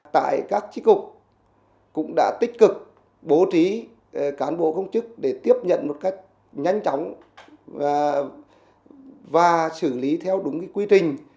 tại các trí cục cũng đã tích cực bố trí cán bộ công chức để tiếp nhận một cách nhanh chóng và xử lý theo đúng quy trình